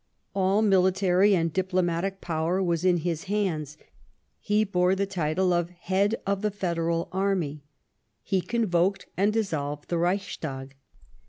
All military and diplomatic power was in his hands ; he bore the title of Head of the Federal Army ; he convoked and dissolved the Reichstag.